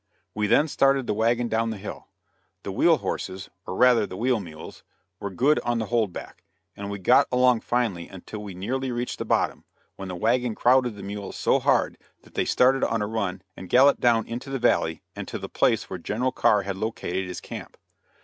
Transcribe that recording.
We then started the wagon down the hill. The wheel horses or rather the wheel mules were good on the hold back, and we got along finely until we nearly reached the bottom, when the wagon crowded the mules so hard that they started on a run and galloped down into the valley and to the place where General Carr had located his camp.